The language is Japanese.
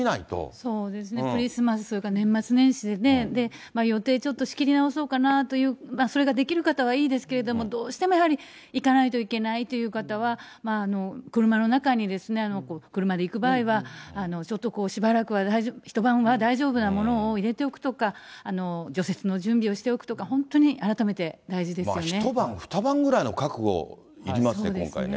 そうですね、クリスマス、それから年末年始でね、予定、ちょっと仕切り直そうかなという、それができる方はいいですけれども、どうしてもやはり、行かないといけないという方は、車の中に、車で行く場合は、ちょっとこう、しばらくは、一晩は大丈夫なものを入れておくとか、除雪の準備をしておくとか、一晩、二晩ぐらいの覚悟いりますね、今回ね。